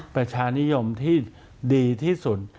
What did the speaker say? ประชานิยมที่ดีที่สุด